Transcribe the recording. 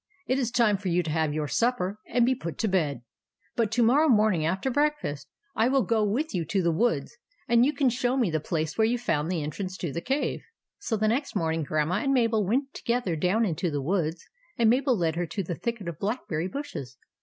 It is time for you to have your supper and be put to bed. But to morrow morning after breakfast, I 2o 4 THE ADVENTURES OF MABEL will go with you to the woods, and you can show me the place where you found the entrance to the cave. ,, So the next morning, Grandma and Mabel went together down into the woods; and Mabel led her to the thicket of blackberry bushes.